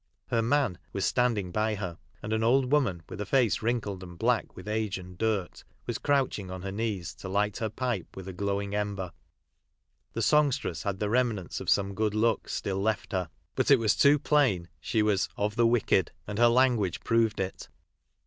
Her " man " was standing by her, and an old woman, with a face wrinkled and black with age and dirt, was crouching on her knees to light her pipe with a glowing ember. The songstress had the remnants of some good looks still left her, but it was too plain she was " of urn 10 CltliMINAL MANCHESTER — DJSANSGATK I SCENES ON A 8ATUHDAY NIGHT. wicked," and her language proved it.